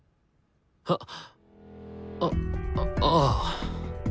あっあああ。